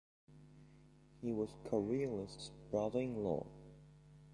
He was Coriolis's brother-in-law.